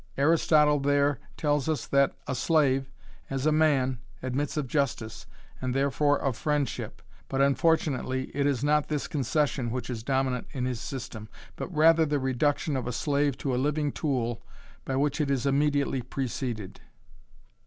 Aristotle there tells us that a slave, as a man, admits of justice, and therefore of friendship, but unfortunately it is not this concession which is dominant in his system, but rather the reduction of a slave to a living tool by which it is immediately preceded.